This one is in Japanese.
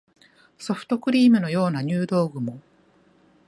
ソフトクリームのような入道雲